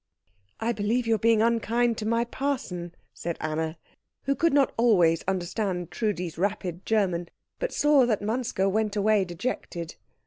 "I believe you are being unkind to my parson," said Anna, who could not always understand Trudi's rapid German, but saw that Manske went away dejected.